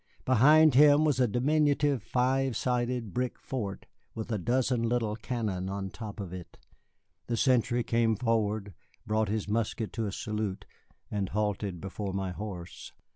Behind him was a diminutive five sided brick fort with a dozen little cannon on top of it. The sentry came forward, brought his musket to a salute, and halted before my horse.